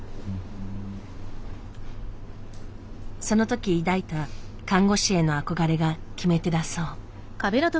そのとき抱いた看護師への憧れが決め手だそう。